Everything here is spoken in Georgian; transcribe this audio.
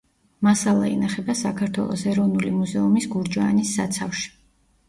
მასალა ინახება საქართველოს ეროვნული მუზეუმის გურჯაანის საცავში.